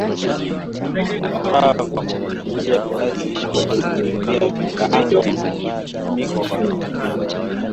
Vifaa vya kupikia viazi lishe Sufuria kikaango mfuniko wa sufuria